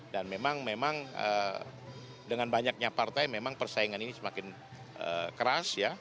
dan memang dengan banyaknya partai memang persaingan ini semakin keras